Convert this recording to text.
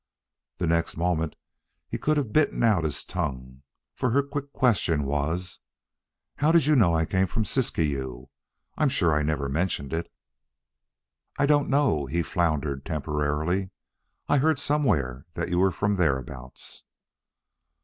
The next moment he could have bitten out his tongue for her quick question was: "How did you know I came from Siskiyou? I'm sure I never mentioned it." "I don't know," he floundered temporarily. "I heard somewhere that you were from thereabouts."